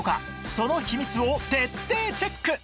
その秘密を徹底チェック！